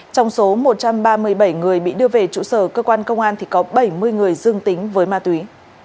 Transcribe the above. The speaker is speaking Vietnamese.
trong số một trăm ba mươi bảy người bị đưa về trụ sở cơ quan công an có bảy mươi người dương tính với ma túy